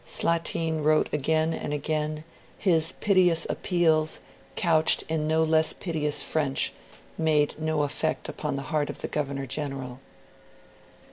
Slatin wrote again and again; his piteous appeals, couched in no less piteous French, made no effect upon the heart of the Governor General.